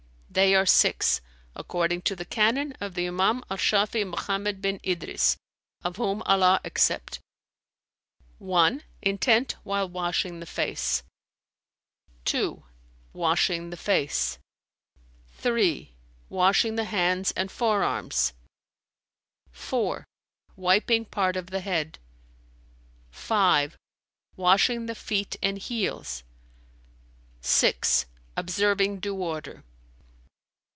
"They are six, according to the canon of the Imam al Shαfi'ν Mohammed bin Idris (of whom Allah accept!): (1) intent while washing the face; (2) washing the face; (3) washing the hands and forearms; (4) wiping part of the head; (5) washing the feet and heels; and (6) observing due order.